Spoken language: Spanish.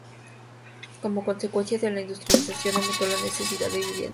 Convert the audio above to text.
Como consecuencia de la industrialización aumentó la necesidad de vivienda.